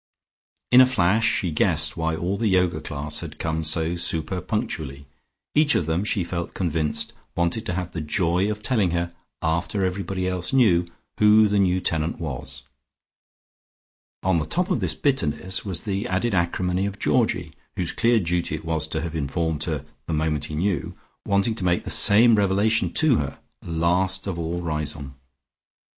In a flash she guessed why all the Yoga class had come so super punctually; each of them she felt convinced wanted to have the joy of telling her, after everybody else knew, who the new tenant was. On the top of this bitterness was the added acrimony of Georgie, whose clear duty it was to have informed her the moment he knew, wanting to make the same revelation to her, last of all Riseholme.